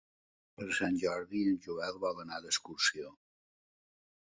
Per Sant Jordi en Joel vol anar d'excursió.